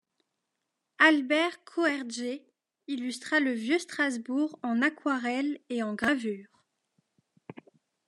Albert Koerttgé, illustra le vieux Strasbourg en aquarelles et en gravures.